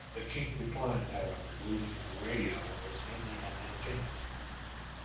The King declined, however, believing that radio was mainly an entertainment.